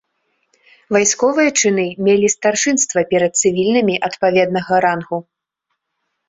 Вайсковыя чыны мелі старшынства перад цывільнымі адпаведнага рангу.